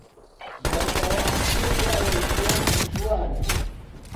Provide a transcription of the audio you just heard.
بەردەوام پێت وایە ژیان دژوارە